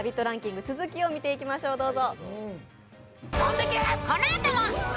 ランキング、続きを見ていきましょう。